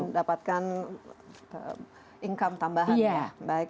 ya dan mendapatkan income tambahan